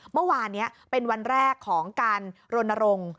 เมื่อวานนี้เป็นวันแรกของการรณรงค์